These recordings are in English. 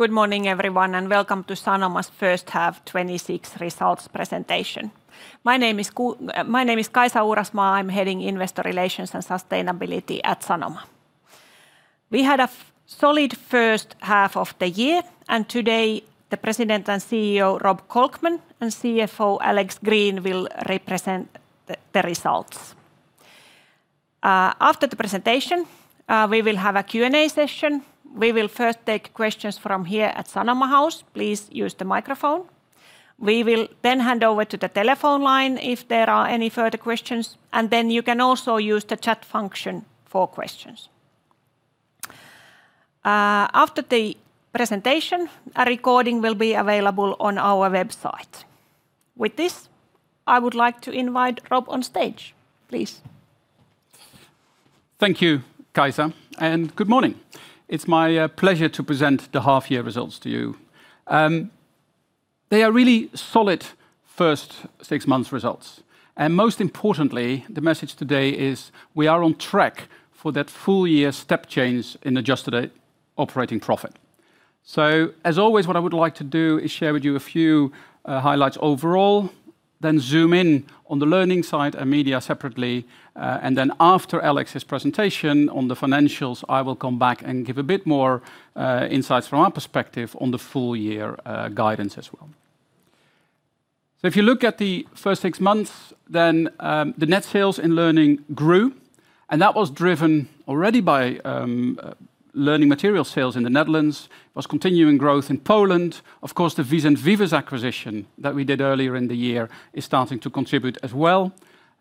Good morning, everyone. Welcome to Sanoma's first half 2026 results presentation. My name is Kaisa Uurasmaa. I'm heading Investor Relations and Sustainability at Sanoma. We had a solid first half of the year. Today the President and CEO Rob Kolkman and CFO Alex Green will represent the results. After the presentation, we will have a Q&A session. We will first take questions from here at Sanoma House. Please use the microphone. We will then hand over to the telephone line if there are any further questions. You can also use the chat function for questions. After the presentation, a recording will be available on our website. With this, I would like to invite Rob on stage, please. Thank you, Kaisa. Good morning. It's my pleasure to present the half year results to you. They are really solid first six months results. Most importantly, the message today is we are on track for that full year step change in adjusted operating profit. As always, what I would like to do is share with you a few highlights overall, then zoom in on the Learning side and Media separately. After Alex's presentation on the financials, I will come back and give a bit more insights from our perspective on the full year guidance as well. If you look at the first six months, the net sales in Learning grew. That was driven already by learning material sales in the Netherlands. There was continuing growth in Poland. Of course, the Vicens Vives acquisition that we did earlier in the year is starting to contribute as well.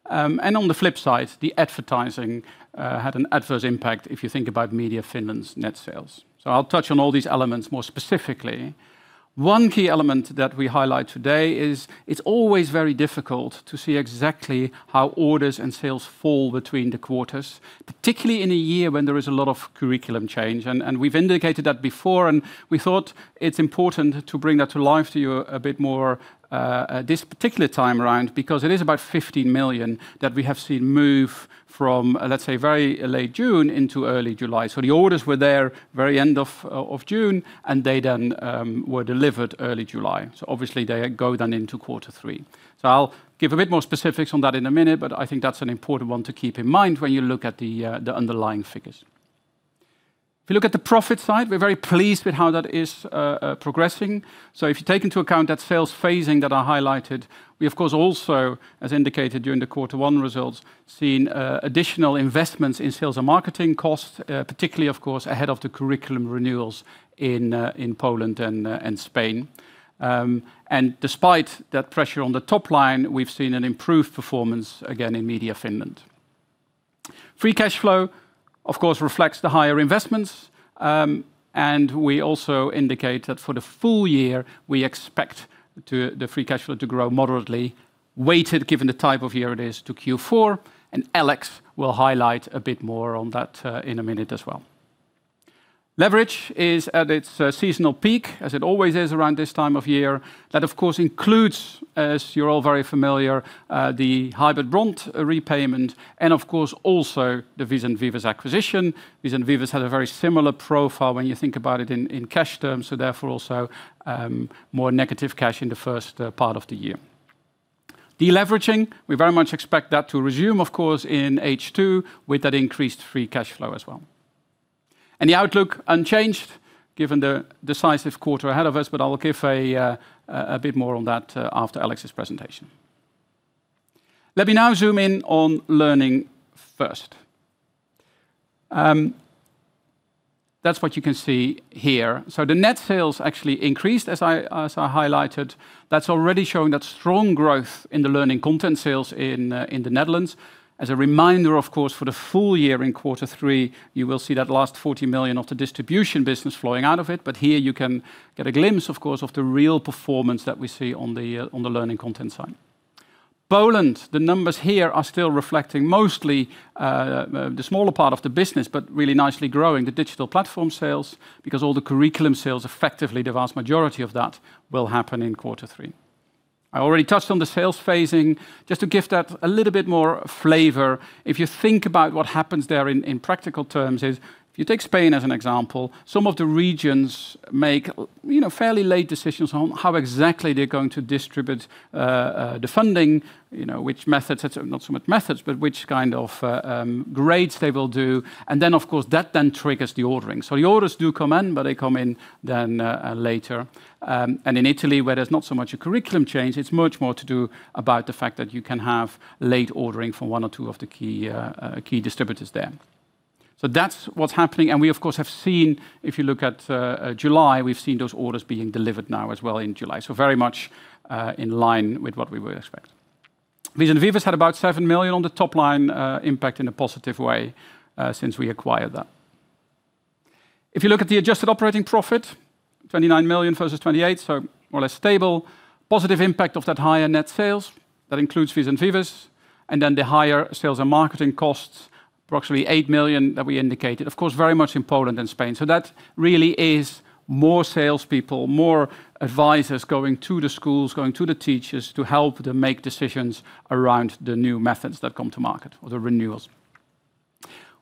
On the flip side, the advertising had an adverse impact if you think about Media Finland's net sales. I'll touch on all these elements more specifically. One key element that we highlight today is it's always very difficult to see exactly how orders and sales fall between the quarters, particularly in a year when there is a lot of curriculum change. We've indicated that before. We thought it's important to bring that to life to you a bit more this particular time around, because it is about 15 million that we have seen move from, let's say, very late June into early July. The orders were there very end of June. They then were delivered early July. Obviously they go then into quarter three. I'll give a bit more specifics on that in a minute. I think that's an important one to keep in mind when you look at the underlying figures. If you look at the profit side, we're very pleased with how that is progressing. If you take into account that sales phasing that I highlighted, we of course also, as indicated during the quarter one results, seen additional investments in sales and marketing costs, particularly of course ahead of the curriculum renewals in Poland and Spain. Despite that pressure on the top line, we've seen an improved performance again in Media Finland. Free cash flow, of course, reflects the higher investments. We also indicate that for the full year, we expect the free cash flow to grow moderately, weighted, given the type of year it is, to Q4, Alex will highlight a bit more on that in a minute as well. Leverage is at its seasonal peak, as it always is around this time of year. That, of course, includes, as you are all very familiar, the hybrid bond repayment, of course also the Vicens Vives acquisition. Vicens Vives had a very similar profile when you think about it in cash terms, so therefore also more negative cash in the first part of the year. Deleveraging, we very much expect that to resume, of course, in H2 with that increased free cash flow as well. The outlook unchanged given the decisive quarter ahead of us, but I will give a bit more on that after Alex's presentation. Let me now zoom in on Learning first. That is what you can see here. The net sales actually increased, as I highlighted. That is already showing that strong growth in the learning content sales in the Netherlands. As a reminder, of course, for the full year in quarter three, you will see that last 40 million of the distribution business flowing out of it. Here you can get a glimpse, of course, of the real performance that we see on the learning content side. Poland, the numbers here are still reflecting mostly the smaller part of the business, but really nicely growing the digital platform sales, because all the curriculum sales, effectively the vast majority of that will happen in quarter three. I already touched on the sales phasing. Just to give that a little bit more flavor, if you think about what happens there in practical terms is if you take Spain as an example, some of the regions make fairly late decisions on how exactly they are going to distribute the funding, which methods, not so much methods, but which kind of grades they will do. Then, of course, that then triggers the ordering. The orders do come in, but they come in then later. In Italy, where there is not so much a curriculum change, it is much more to do about the fact that you can have late ordering from one or two of the key distributors there. That is what is happening. We of course have seen, if you look at July, we have seen those orders being delivered now as well in July. Very much in line with what we would expect. Vicens Vives had about 7 million on the top line impact in a positive way since we acquired that. If you look at the adjusted operating profit, 29 million versus 28 million, so more or less stable. Positive impact of that higher net sales. That includes Vicens Vives. Then the higher sales and marketing costs, approximately 8 million that we indicated. Of course, very much in Poland and Spain. That really is more salespeople, more advisors going to the schools, going to the teachers to help them make decisions around the new methods that come to market or the renewals.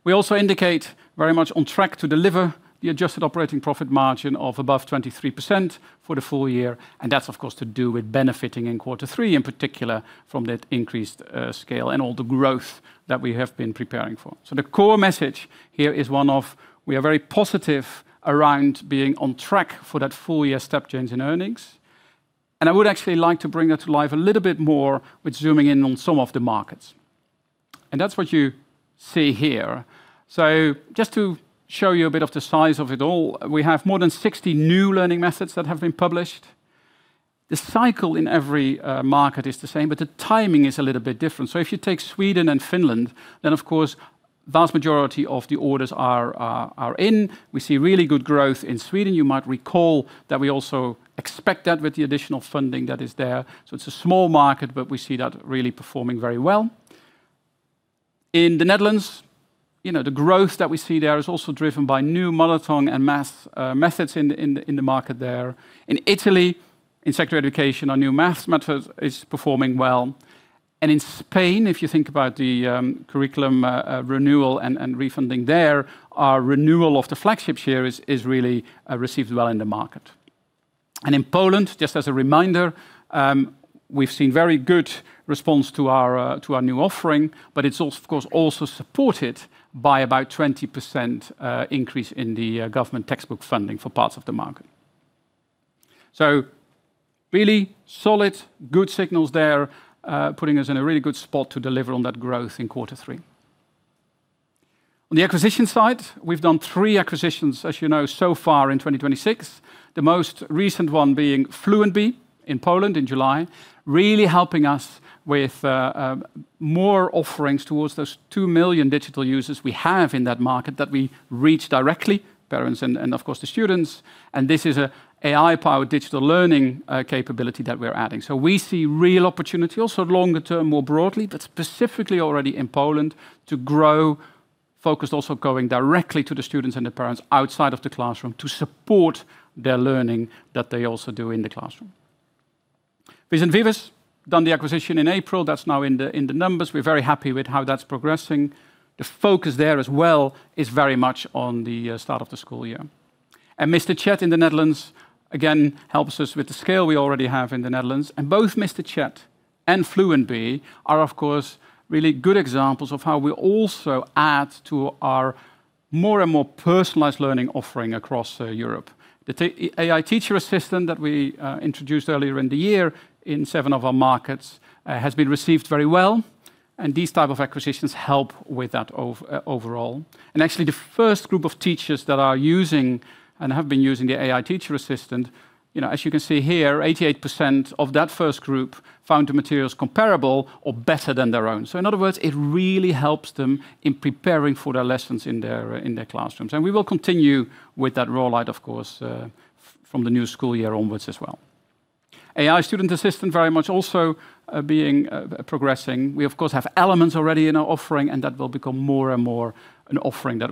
We also indicate very much on track to deliver the adjusted operating profit margin of above 23% for the full year, and that is, of course, to do with benefiting in quarter three, in particular, from that increased scale and all the growth that we have been preparing for. The core message here is one of, we are very positive around being on track for that full year step change in earnings. I would actually like to bring that to life a little bit more with zooming in on some of the markets. That's what you see here. Just to show you a bit of the size of it all, we have more than 60 new learning methods that have been published. The cycle in every market is the same, but the timing is a little bit different. If you take Sweden and Finland, then of course, vast majority of the orders are in. We see really good growth in Sweden. You might recall that we also expect that with the additional funding that is there. It's a small market, but we see that really performing very well. In the Netherlands, the growth that we see there is also driven by new monotone and math methods in the market there. In Italy, in secondary education, our new math method is performing well. In Spain, if you think about the curriculum renewal and refunding there, our renewal of the flagships here is really received well in the market. In Poland, just as a reminder, we've seen very good response to our new offering, but it's, of course, also supported by about 20% increase in the government textbook funding for parts of the market. Really solid, good signals there, putting us in a really good spot to deliver on that growth in quarter three. On the acquisition side, we've done three acquisitions, as you know, so far in 2026. The most recent one being Fluentbe in Poland in July, really helping us with more offerings towards those 2 million digital users we have in that market that we reach directly, parents and of course the students. This is a AI-powered digital learning capability that we're adding. We see real opportunity also longer term, more broadly, but specifically already in Poland to grow, focused also going directly to the students and the parents outside of the classroom to support their learning that they also do in the classroom. Vicens Vives, done the acquisition in April. That's now in the numbers. We're very happy with how that's progressing. The focus there as well is very much on the start of the school year. Mr. Chadd in the Netherlands, again, helps us with the scale we already have in the Netherlands. Both Mr. Chadd and Fluentbe are, of course, really good examples of how we also add to our more and more personalized learning offering across Europe. The AI Teacher Assistant that we introduced earlier in the year in seven of our markets has been received very well, and these type of acquisitions help with that overall. Actually, the first group of teachers that are using and have been using the AI Teacher Assistant, as you can see here, 88% of that first group found the materials comparable or better than their own. In other words, it really helps them in preparing for their lessons in their classrooms. We will continue with that roll out, of course, from the new school year onwards as well. AI Student Assistant very much also being progressing. We of course, have elements already in our offering, and that will become more and more an offering that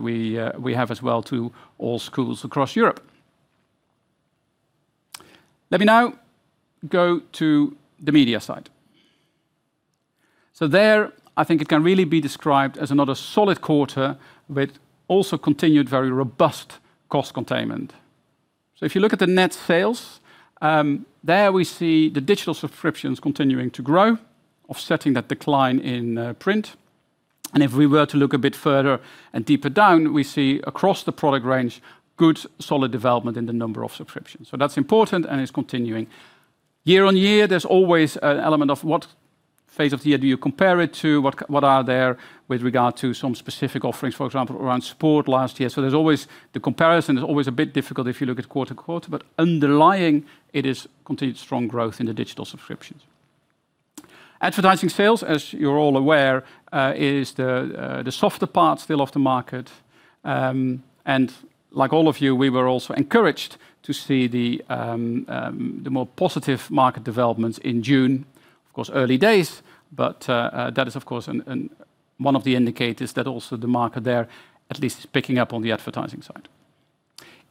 we have as well to all schools across Europe. Let me now go to the media side. There, I think it can really be described as another solid quarter, but also continued very robust cost containment. If you look at the net sales, there we see the digital subscriptions continuing to grow, offsetting that decline in print. If we were to look a bit further and deeper down, we see across the product range, good, solid development in the number of subscriptions. That's important and is continuing. Year-on-year, there's always an element of what phase of the year do you compare it to? What are there with regard to some specific offerings, for example, around support last year? The comparison is always a bit difficult if you look at quarter-to-quarter, but underlying it is continued strong growth in the digital subscriptions. Advertising sales, as you're all aware, is the softer part still of the market. Like all of you, we were also encouraged to see the more positive market developments in June. Of course, early days, but that is, of course, one of the indicators that also the market there at least is picking up on the advertising side.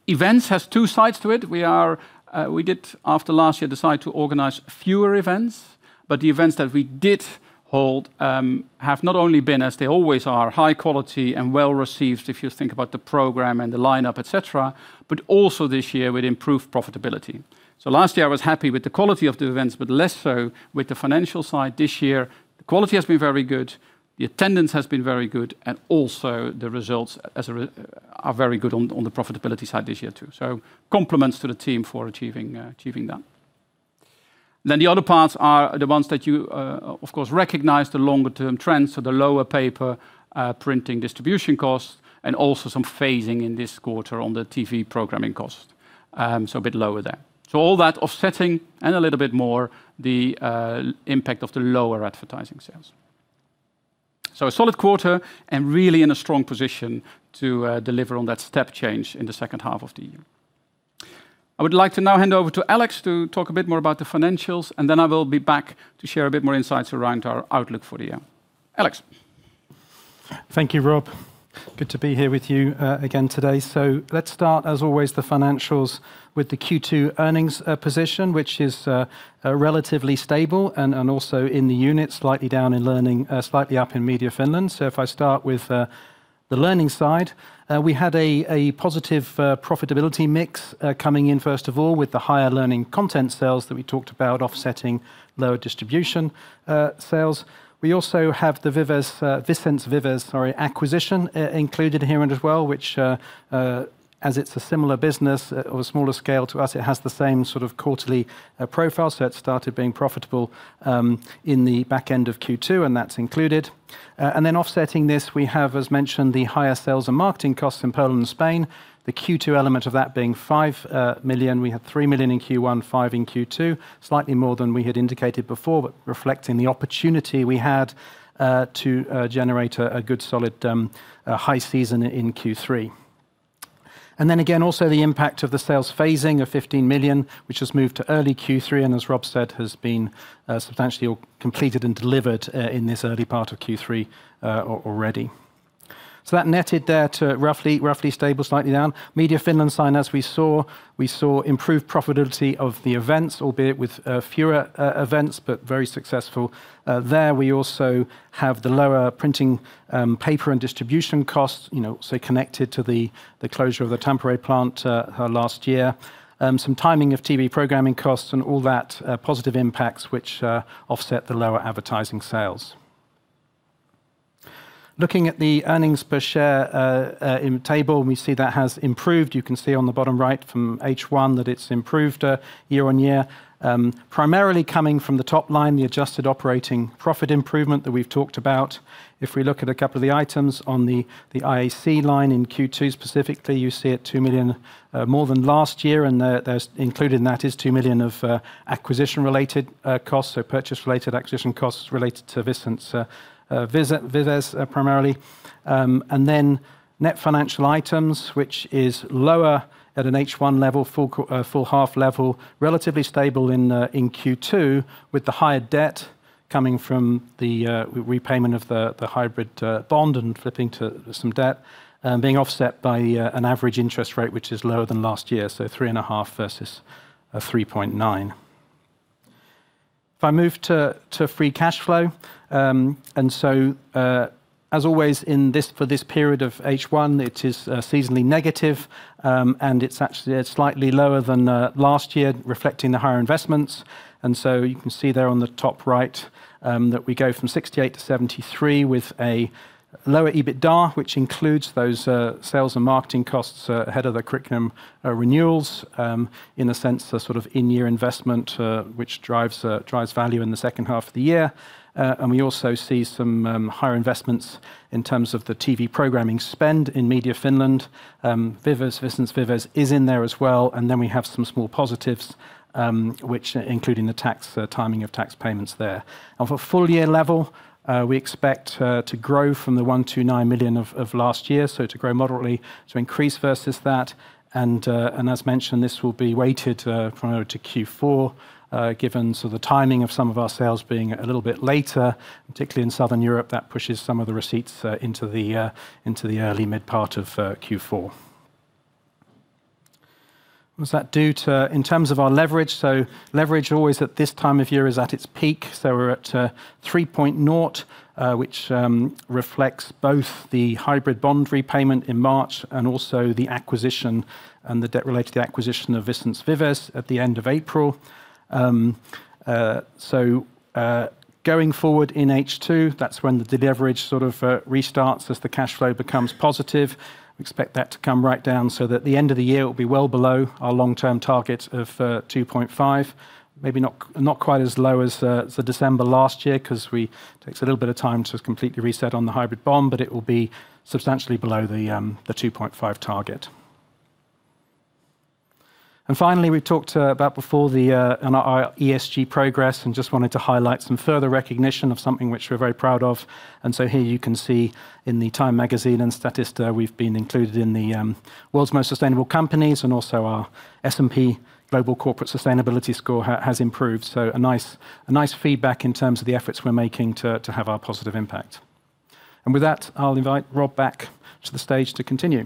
Events has two sides to it. We did, after last year, decide to organize fewer events, but the events that we did hold have not only been, as they always are, high quality and well-received, if you think about the program and the lineup, et cetera, but also this year with improved profitability. Last year, I was happy with the quality of the events, but less so with the financial side. This year, the quality has been very good, the attendance has been very good, and also the results are very good on the profitability side this year, too. Compliments to the team for achieving that. The other parts are the ones that you, of course, recognize the longer-term trends. The lower paper printing distribution costs, and also some phasing in this quarter on the TV programming cost. A bit lower there. All that offsetting and a little bit more the impact of the lower advertising sales. A solid quarter and really in a strong position to deliver on that step change in the second half of the year. I would like to now hand over to Alex to talk a bit more about the financials, and then I will be back to share a bit more insights around our outlook for the year. Alex. Thank you, Rob. Good to be here with you again today. Let's start, as always, the financials with the Q2 earnings position, which is relatively stable and also in the unit, slightly down in learning, slightly up in Media Finland. If I start with the learning side. We had a positive profitability mix coming in, first of all, with the higher learning content sales that we talked about offsetting lower distribution sales. We also have the Vicens Vives acquisition included here as well, which as it's a similar business of a smaller scale to us, it has the same sort of quarterly profile. It started being profitable in the back end of Q2, and that's included. Then offsetting this, we have, as mentioned, the higher sales and marketing costs in Poland and Spain, the Q2 element of that being 5 million. We had 3 million in Q1, 5 in Q2, slightly more than we had indicated before, but reflecting the opportunity we had to generate a good, solid high season in Q3. Then again, also the impact of the sales phasing of 15 million, which has moved to early Q3, and as Rob said, has been substantially completed and delivered in this early part of Q3 already. That netted there to roughly stable, slightly down. Media Finland side as we saw improved profitability of the events, albeit with fewer events, but very successful there. We also have the lower printing paper and distribution costs, connected to the closure of the temporary plant last year. Some timing of TV programming costs and all that positive impacts, which offset the lower advertising sales. Looking at the earnings per share table, we see that has improved. You can see on the bottom right from H1 that it's improved year-on-year. Primarily coming from the top line, the adjusted operating profit improvement that we've talked about. If we look at a couple of the items on the IAC line in Q2 specifically, you see at 2 million more than last year, and included in that is 2 million of acquisition-related costs, purchase-related acquisition costs related to Vicens Vives primarily. Then net financial items, which is lower at an H1 level, full half level, relatively stable in Q2 with the higher debt coming from the repayment of the hybrid bond and flipping to some debt, being offset by an average interest rate, which is lower than last year, 3.5% versus a 3.9%. If I move to free cash flow, as always for this period of H1, it is seasonally negative. It's actually slightly lower than last year, reflecting the higher investments. You can see there on the top right that we go from 68 to 73 with a lower EBITDA, which includes those sales and marketing costs ahead of the curriculum renewals, in a sense, the sort of in-year investment, which drives value in the second half of the year. We also see some higher investments in terms of the TV programming spend in Media Finland. Vicens Vives is in there as well. Then we have some small positives including the timing of tax payments there. Of a full year level, we expect to grow from the 129 million of last year, to grow moderately, to increase versus that. As mentioned, this will be weighted primarily to Q4, given the timing of some of our sales being a little bit later, particularly in Southern Europe. That pushes some of the receipts into the early mid-part of Q4. What does that do in terms of our leverage? Leverage always at this time of year is at its peak. We're at 3.0, which reflects both the hybrid bond repayment in March and also the acquisition and the debt related to the acquisition of Vicens Vives at the end of April. Going forward in H2, that's when the leverage sort of restarts as the cash flow becomes positive. Expect that to come right down so that the end of the year it will be well below our long-term target of 2.5. Maybe not quite as low as December last year because it takes a little bit of time to completely reset on the hybrid bond, but it will be substantially below the 2.5 target. Finally, we've talked about before on our ESG progress and just wanted to highlight some further recognition of something which we're very proud of. Here you can see in the Time magazine and Statista, we've been included in the World's Most Sustainable Companies, and also our S&P Global Corporate Sustainability score has improved. A nice feedback in terms of the efforts we're making to have our positive impact. With that, I'll invite Rob back to the stage to continue.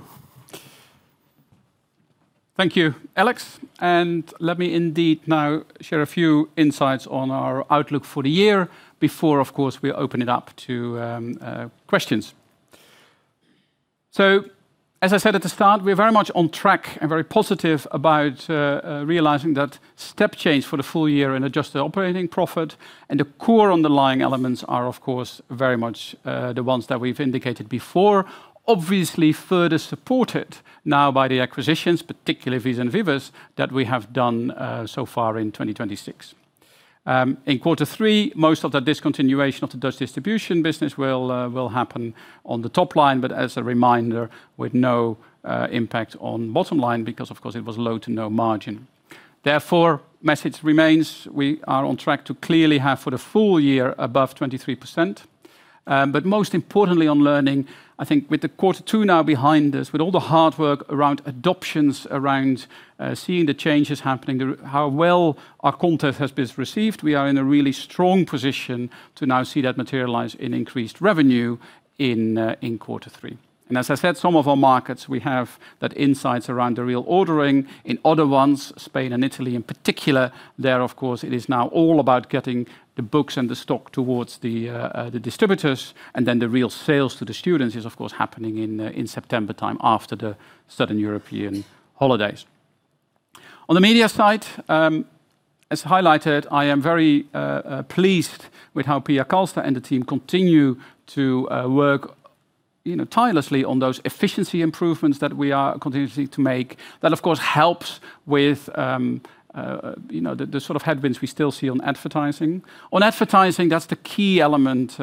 Thank you, Alex, and let me indeed now share a few insights on our outlook for the year before, of course, we open it up to questions. As I said at the start, we're very much on track and very positive about realizing that step change for the full year in adjusted operating profit and the core underlying elements are, of course, very much the ones that we've indicated before. Obviously, further supported now by the acquisitions, particularly Vicens Vives, that we have done so far in 2026. In quarter three, most of the discontinuation of the Dutch distribution business will happen on the top line, but as a reminder, with no impact on bottom line because of course it was low to no margin. Therefore, message remains, we are on track to clearly have for the full year above 23%. Most importantly on learning, I think with the quarter two now behind us, with all the hard work around adoptions, around seeing the changes happening, how well our content has been received, we are in a really strong position to now see that materialize in increased revenue in quarter three. As I said, some of our markets, we have that insights around the real ordering. In other ones, Spain and Italy in particular, there, of course, it is now all about getting the books and the stock towards the distributors. Then the real sales to the students is of course happening in September time after the Southern European holidays. On the media side, as highlighted, I am very pleased with how Pia Kalsta and the team continue to work tirelessly on those efficiency improvements that we are continuously to make. That, of course, helps with the sort of headwinds we still see on advertising. On advertising, that's the key element.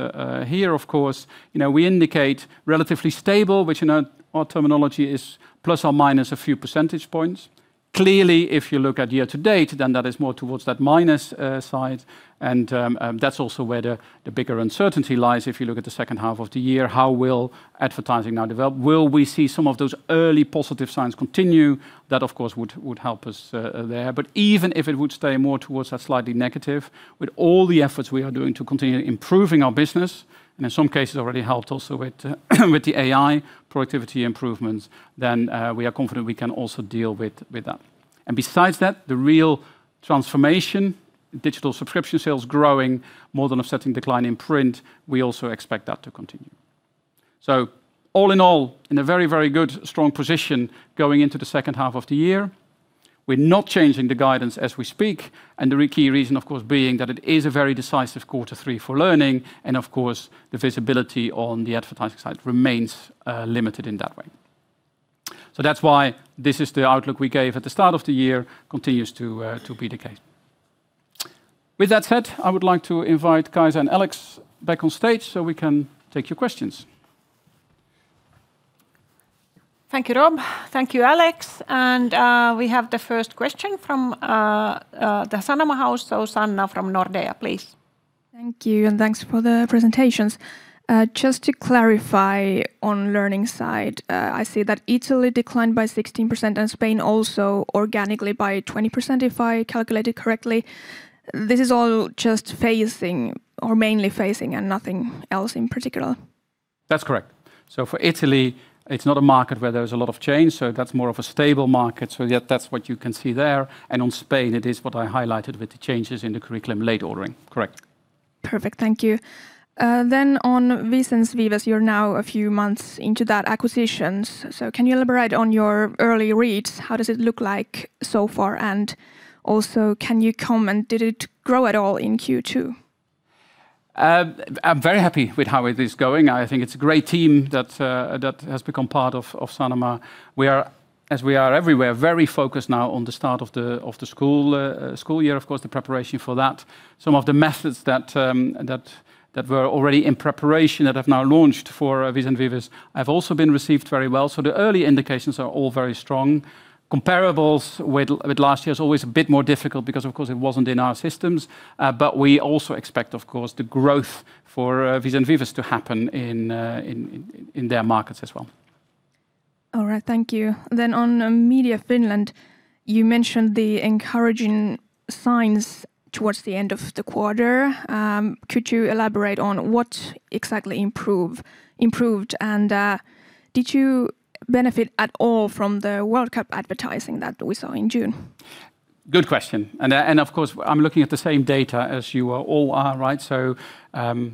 Here, of course, we indicate relatively stable, which in our terminology is ± a few percentage points. Clearly, if you look at year to date, that is more towards that minus side. That's also where the bigger uncertainty lies. If you look at the second half of the year, how will advertising now develop? Will we see some of those early positive signs continue? That, of course, would help us there. Even if it would stay more towards that slightly negative, with all the efforts we are doing to continue improving our business, and in some cases already helped also with the AI productivity improvements, then we are confident we can also deal with that. Besides that, the real transformation, digital subscription sales growing more than offsetting decline in print, we also expect that to continue. All in all, in a very good, strong position going into the second half of the year. We're not changing the guidance as we speak, the key reason, of course, being that it is a very decisive quarter three for learning, and of course, the visibility on the advertising side remains limited in that way. That's why this is the outlook we gave at the start of the year, continues to be the case. With that said, I would like to invite Kaisa and Alex back on stage so we can take your questions. Thank you, Rob. Thank you, Alex. We have the first question from the Sanoma house. Sanna from Nordea, please. Thank you, thanks for the presentations. Just to clarify on learning side, I see that Italy declined by 16% and Spain also organically by 20%, if I calculated correctly. This is all just phasing or mainly phasing and nothing else in particular? That's correct. For Italy, it's not a market where there's a lot of change, that's more of a stable market. That's what you can see there. On Spain, it is what I highlighted with the changes in the curriculum late ordering. Correct. Perfect. Thank you. On Vicens Vives, you're now a few months into that acquisition. Can you elaborate on your early reads? How does it look like so far? Also, can you comment, did it grow at all in Q2? I'm very happy with how it is going. I think it's a great team that has become part of Sanoma. We are, as we are everywhere, very focused now on the start of the school year, of course, the preparation for that. Some of the methods that were already in preparation that have now launched for Vicens Vives have also been received very well. The early indications are all very strong. Comparables with last year's always a bit more difficult because, of course, it wasn't in our systems. We also expect, of course, the growth for Vicens Vives to happen in their markets as well. All right. Thank you. On Media Finland, you mentioned the encouraging signs towards the end of the quarter. Could you elaborate on what exactly improved? Did you benefit at all from the World Cup advertising that we saw in June? Good question. Of course, I'm looking at the same data as you all are, right?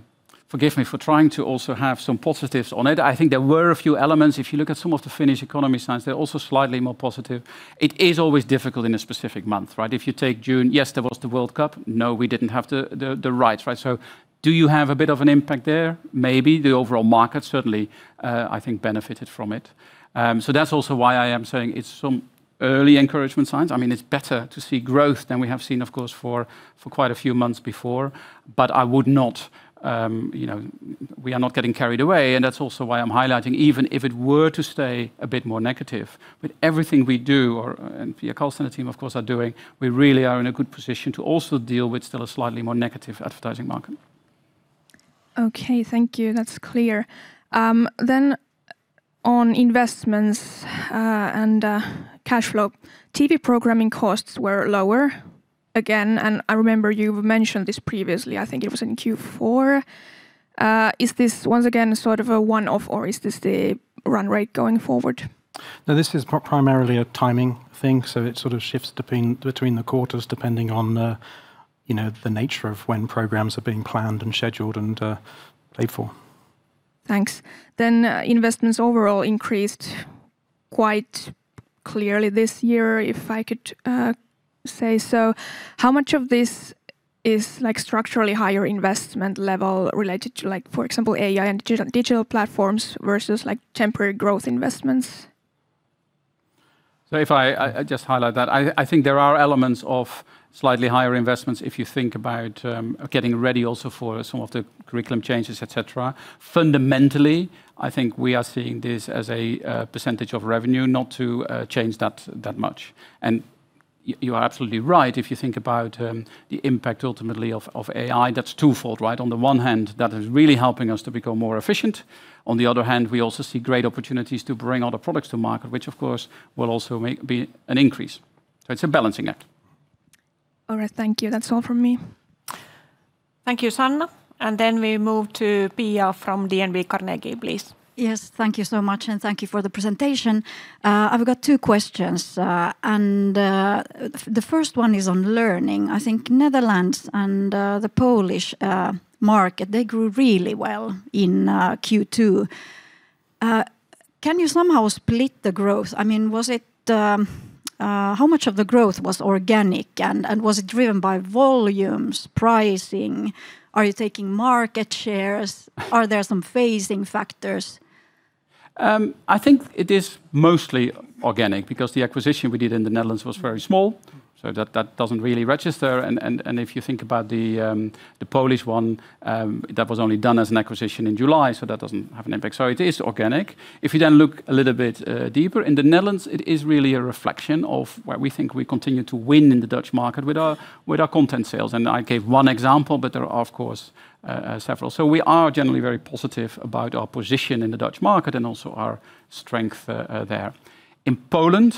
Forgive me for trying to also have some positives on it. I think there were a few elements. If you look at some of the Finnish economy signs, they're also slightly more positive. It is always difficult in a specific month, right? If you take June, yes, there was the World Cup. No, we didn't have the rights. Do you have a bit of an impact there? Maybe. The overall market certainly, I think, benefited from it. That's also why I am saying it's some early encouragement signs. It's better to see growth than we have seen, of course, for quite a few months before. We are not getting carried away, and that's also why I'm highlighting, even if it were to stay a bit more negative. Everything we do, and Pia Kalsta and the team, of course, are doing, we really are in a good position to also deal with still a slightly more negative advertising market. Okay, thank you. That's clear. On investments and cash flow. TV programming costs were lower again, I remember you mentioned this previously. I think it was in Q4. Is this, once again, sort of a one-off, or is this the run rate going forward? No, this is primarily a timing thing, it sort of shifts between the quarters, depending on the nature of when programs are being planned and scheduled and paid for. Thanks. Investments overall increased quite clearly this year, if I could say so. How much of this is structurally higher investment level related to, for example, AI and digital platforms versus temporary growth investments? If I just highlight that, I think there are elements of slightly higher investments if you think about getting ready also for some of the curriculum changes, et cetera. Fundamentally, I think we are seeing this as a percentage of revenue not to change that much. You are absolutely right if you think about the impact, ultimately, of AI. That's twofold, right? On the one hand, that is really helping us to become more efficient. On the other hand, we also see great opportunities to bring other products to market, which, of course, will also be an increase. It's a balancing act. All right. Thank you. That's all from me. Thank you, Sanna. We move to Pia from DNB Carnegie, please. Yes. Thank you so much. Thank you for the presentation. I've got two questions. The first one is on learning. I think Netherlands and the Polish market, they grew really well in Q2. Can you somehow split the growth? How much of the growth was organic, and was it driven by volumes, pricing? Are you taking market shares? Are there some phasing factors? I think it is mostly organic, because the acquisition we did in the Netherlands was very small, so that doesn't really register. If you think about the Polish one, that was only done as an acquisition in July, so that doesn't have an impact. It is organic. If you then look a little bit deeper, in the Netherlands, it is really a reflection of where we think we continue to win in the Dutch market with our content sales. I gave one example, but there are, of course, several. We are generally very positive about our position in the Dutch market and also our strength there. In Poland,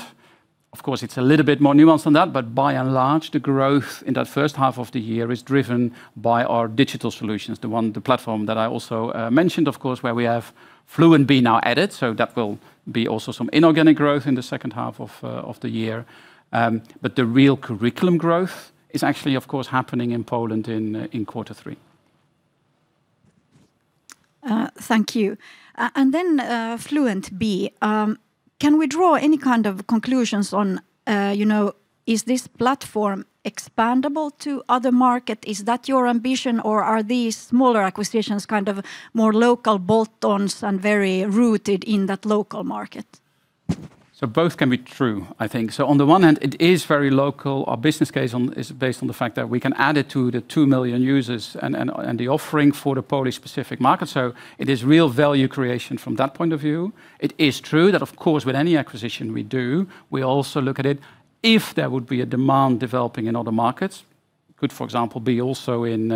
of course, it's a little bit more nuanced than that, but by and large, the growth in that first half of the year is driven by our digital solutions, the platform that I also mentioned, of course, where we have Fluentbe now added. That will be also some inorganic growth in the second half of the year. The real curriculum growth is actually, of course, happening in Poland in quarter three. Thank you. Fluentbe. Can we draw any kind of conclusions on is this platform expandable to other market? Is that your ambition, or are these smaller acquisitions kind of more local bolt-ons and very rooted in that local market? Both can be true, I think. On the one hand, it is very local. Our business case is based on the fact that we can add it to the 2 million users and the offering for the Polish specific market. It is real value creation from that point of view. It is true that of course, with any acquisition we do, we also look at it if there would be a demand developing in other markets. Could, for example, be also in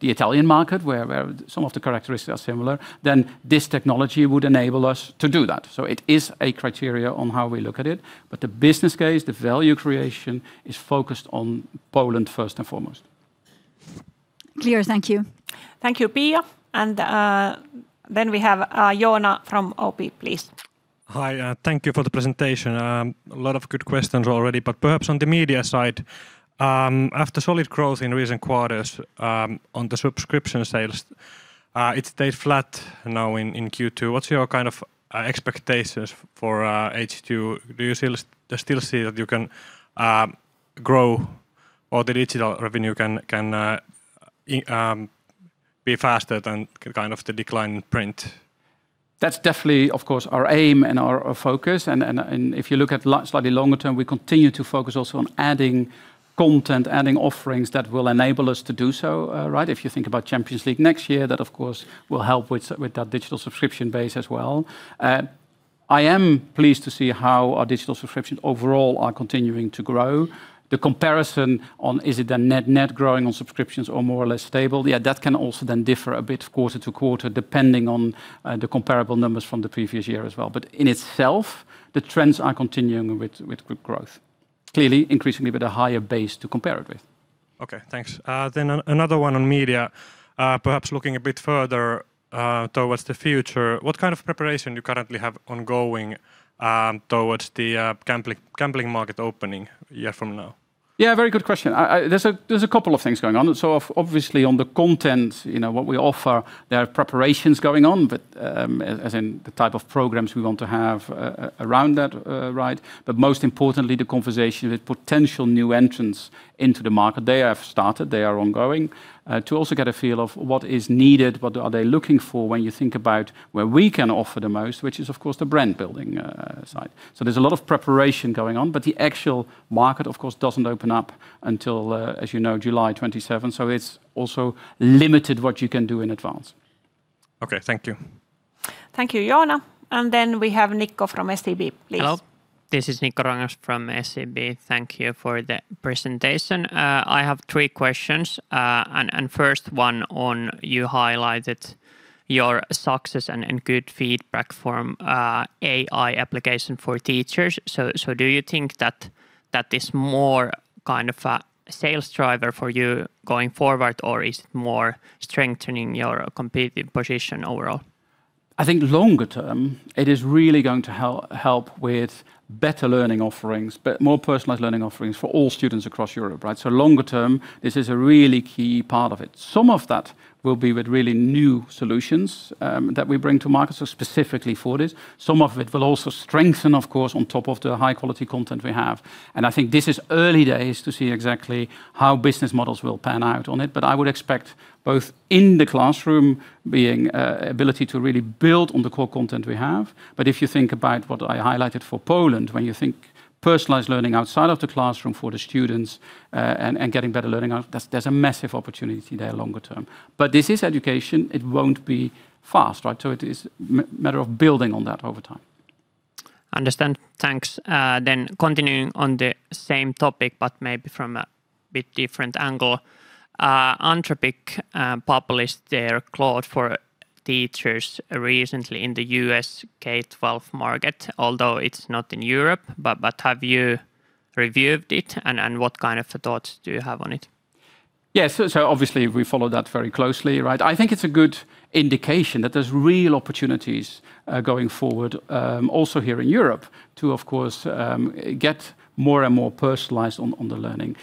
the Italian market, where some of the characteristics are similar, then this technology would enable us to do that. It is a criteria on how we look at it. The business case, the value creation is focused on Poland first and foremost. Clear. Thank you. Thank you, Pia. Then we have Joona from OP, please. Hi, thank you for the presentation. A lot of good questions already. Perhaps on the media side. After solid growth in recent quarters on the subscription sales, it stayed flat now in Q2. What's your kind of expectations for H2? Do you still see that you can grow or the digital revenue can be faster than kind of the decline print? That's definitely, of course, our aim and our focus. If you look at slightly longer term, we continue to focus also on adding content, adding offerings that will enable us to do so. If you think about Champions League next year, that of course will help with that digital subscription base as well. I am pleased to see how our digital subscriptions overall are continuing to grow. The comparison on is it a net growing on subscriptions or more or less stable. That can also differ a bit quarter-to-quarter, depending on the comparable numbers from the previous year as well. In itself, the trends are continuing with good growth, clearly increasingly with a higher base to compare it with. Okay, thanks. Another one on media. Perhaps looking a bit further towards the future, what kind of preparation do you currently have ongoing towards the gambling market opening a year from now? Very good question. There's a couple of things going on. Obviously on the content, what we offer, there are preparations going on, as in the type of programs we want to have around that. Most importantly, the conversation with potential new entrants into the market. They have started, they are ongoing. To also get a feel of what is needed, what are they looking for when you think about where we can offer the most, which is of course, the brand-building side. There's a lot of preparation going on, but the actual market, of course, doesn't open up until, as you know, July 27. It's also limited what you can do in advance. Okay, thank you. Thank you, Joona. We have Nikko from SEB, please. Hello, this is Nikko Ruokangas from SEB. Thank you for the presentation. I have three questions. First one on you highlighted your success and good feedback from AI application for teachers. Do you think that is more kind of a sales driver for you going forward, or is it more strengthening your competitive position overall? I think longer term, it is really going to help with better learning offerings, more personalized learning offerings for all students across Europe. Longer term, this is a really key part of it. Some of that will be with really new solutions that we bring to market, specifically for this. Some of it will also strengthen, of course, on top of the high-quality content we have. I think this is early days to see exactly how business models will pan out on it. I would expect both in the classroom being ability to really build on the core content we have. If you think about what I highlighted for Poland, when you think personalized learning outside of the classroom for the students and getting better learning out, there's a massive opportunity there longer term. This is education. It won't be fast. It is matter of building on that over time. Understand. Thanks. Continuing on the same topic, but maybe from a bit different angle. Anthropic published their Claude for Teachers recently in the U.S. K12 market, although it's not in Europe. Have you reviewed it, and what kind of thoughts do you have on it? Yes. Obviously we follow that very closely. I think it's a good indication that there's real opportunities going forward, also here in Europe to, of course, get more and more personalized on the learning.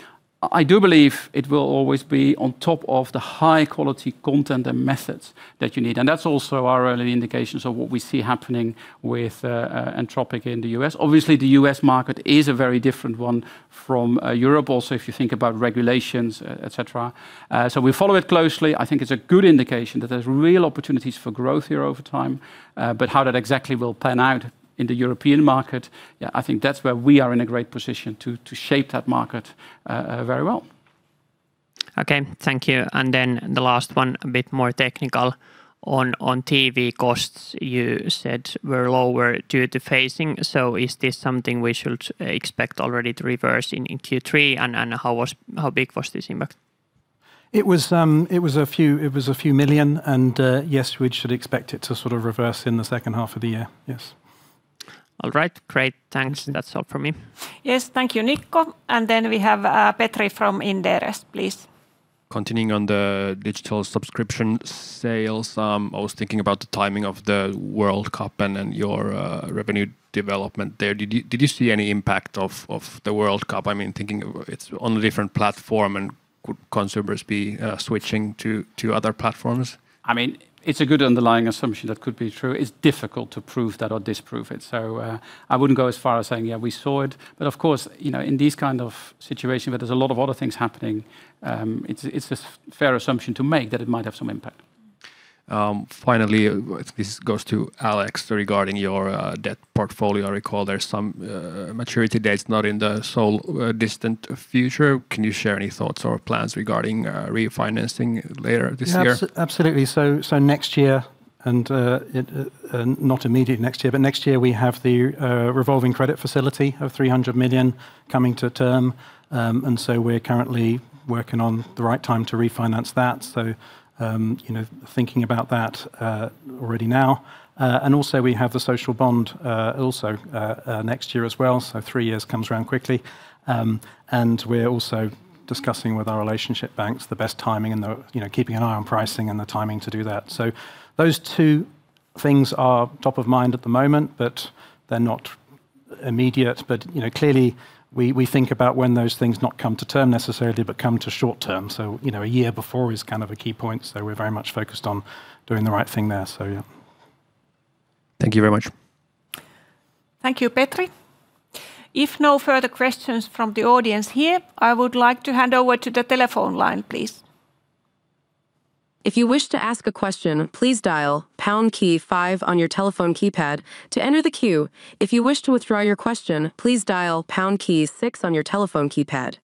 I do believe it will always be on top of the high-quality content and methods that you need. That's also our early indications of what we see happening with Anthropic in the U.S. Obviously, the U.S. market is a very different one from Europe also, if you think about regulations, et cetera. We follow it closely. I think it's a good indication that there's real opportunities for growth here over time. How that exactly will pan out in the European market, yeah, I think that's where we are in a great position to shape that market very well. Okay. Thank you. The last one, a bit more technical. On TV costs, you said were lower due to phasing. Is this something we should expect already to reverse in Q3? How big was this impact? It was a few million. Yes, we should expect it to reverse in the second half of the year. Yes. All right. Great. Thanks. That's all for me. Yes. Thank you, Nikko. Then we have Petri from Inderes. Please. Continuing on the digital subscription sales, I was thinking about the timing of the World Cup and then your revenue development there. Did you see any impact of the World Cup? Thinking it's on a different platform, and could consumers be switching to other platforms? It's a good underlying assumption that could be true. It's difficult to prove that or disprove it. I wouldn't go as far as saying, yeah, we saw it. Of course, in these kind of situation where there's a lot of other things happening, it's a fair assumption to make that it might have some impact. Finally, this goes to Alex regarding your debt portfolio. I recall there's some maturity dates not in the sole distant future. Can you share any thoughts or plans regarding refinancing later this year? Absolutely. Next year, not immediate next year, but next year we have the revolving credit facility of 300 million coming to term. We're currently working on the right time to refinance that. Thinking about that already now. Also we have the social bond also next year as well. Three years comes around quickly. We're also discussing with our relationship banks the best timing and keeping an eye on pricing and the timing to do that. Those two things are top of mind at the moment, but they're not immediate. Clearly, we think about when those things not come to term necessarily, but come to short term. A year before is a key point. We're very much focused on doing the right thing there. Yeah. Thank you very much. Thank you, Petri. If no further questions from the audience here, I would like to hand over to the telephone line, please. If you wish to ask a question, please dial pound key five on your telephone keypad to enter the queue. If you wish to withdraw your question, please dial pound key six on your telephone keypad.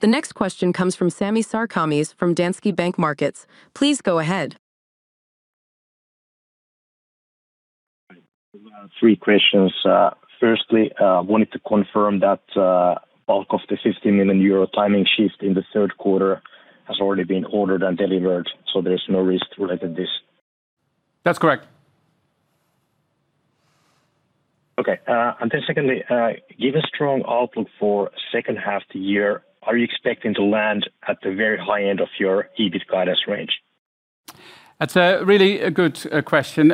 The next question comes from Sami Sarkamies from Danske Bank Markets. Please go ahead. Three questions. Firstly, wanted to confirm that bulk of the 50 million euro timing shift in the third quarter has already been ordered and delivered, there is no risk related this. That's correct. Okay. Secondly, given strong outlook for second half the year, are you expecting to land at the very high end of your EBIT guidance range? That's really a good question.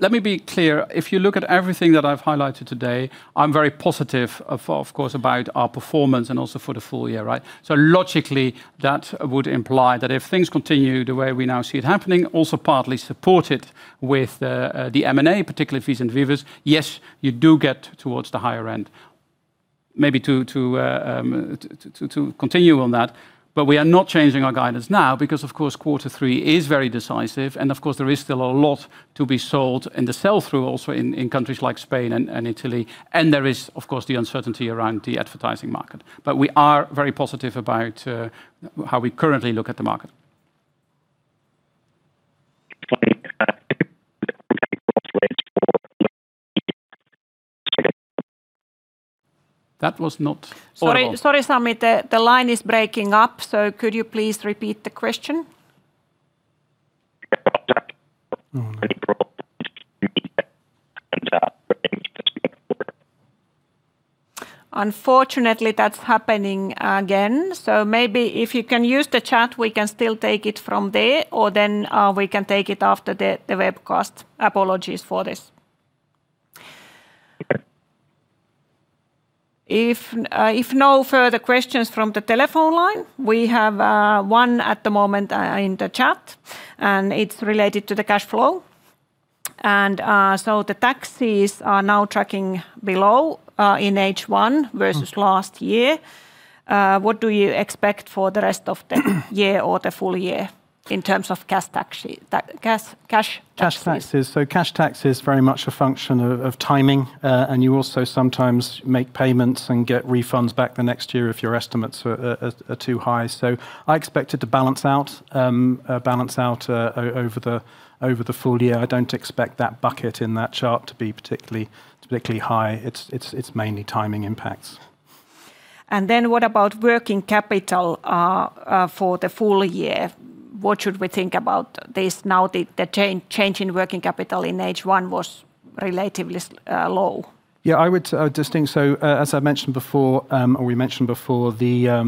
Let me be clear. If you look at everything that I've highlighted today, I'm very positive of course, about our performance and also for the full year. Logically, that would imply that if things continue the way we now see it happening, also partly supported with the M&A, particularly Vicens Vives. Yes, you do get towards the higher end. Maybe to continue on that. We are not changing our guidance now because of course, quarter three is very decisive, and of course, there is still a lot to be sold in the sell-through also in countries like Spain and Italy. There is, of course, the uncertainty around the advertising market. We are very positive about how we currently look at the market. Sorry, Sami. The line is breaking up. Could you please repeat the question? Unfortunately, that's happening again. Maybe if you can use the chat, we can still take it from there, or then we can take it after the webcast. Apologies for this. Okay. If no further questions from the telephone line, we have one at the moment in the chat, and it's related to the cash flow. The taxes are now tracking below in H1 versus last year. What do you expect for the rest of the year or the full year in terms of cash taxes? Cash taxes. Cash tax is very much a function of timing. You also sometimes make payments and get refunds back the next year if your estimates are too high. I expect it to balance out over the full year. I don't expect that bucket in that chart to be particularly high. It's mainly timing impacts. What about working capital for the full year? What should we think about this now that the change in working capital in H1 was relatively low? I would distinguish. As I mentioned before, or we mentioned before, a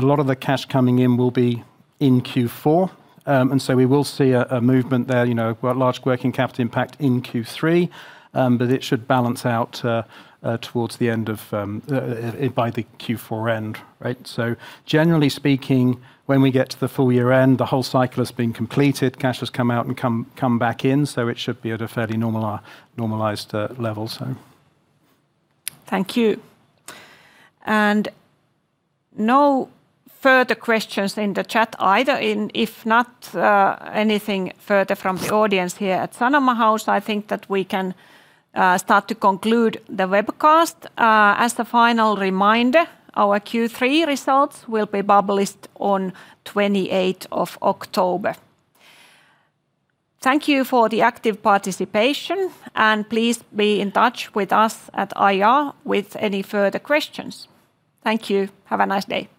lot of the cash coming in will be in Q4. We will see a movement there, a large working capital impact in Q3. It should balance out by the Q4 end. Generally speaking, when we get to the full year end, the whole cycle has been completed. Cash has come out and come back in, so it should be at a fairly normalized level. Thank you. No further questions in the chat either. If not anything further from the audience here at Sanoma House, I think that we can start to conclude the webcast. As the final reminder, our Q3 results will be published on October 28th. Thank you for the active participation, and please be in touch with us at IR with any further questions. Thank you. Have a nice day.